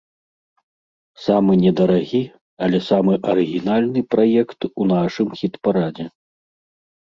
Самы недарагі, але самы арыгінальны праект у нашым хіт-парадзе.